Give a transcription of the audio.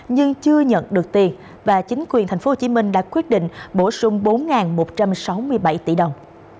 nhưng chưa nhận được tiền và chính quyền tp hcm đã quyết định bổ sung bốn một trăm sáu mươi bảy tỷ đồng